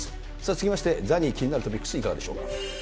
続きまして、ザニー、気になるトピックスいかがでしょうか。